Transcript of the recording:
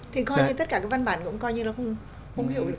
thì coi như tất cả cái văn bản cũng coi như là không hiểu được